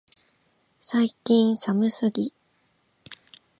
最近寒すぎ、